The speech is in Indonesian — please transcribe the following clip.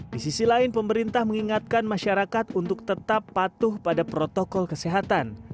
di sisi lain pemerintah mengingatkan masyarakat untuk tetap patuh pada protokol kesehatan